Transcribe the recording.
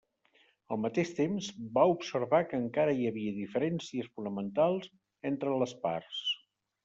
Al mateix temps, va observar que encara hi havia diferències fonamentals entre les parts.